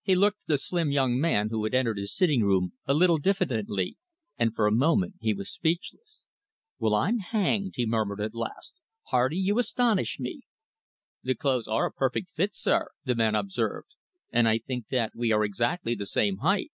He looked at the slim young man who had entered his sitting room a little diffidently and for a moment he was speechless. "Well, I'm hanged!" he murmured at last. "Hardy, you astonish me!" "The clothes are a perfect fit, sir," the man observed, "and I think that we are exactly the same height."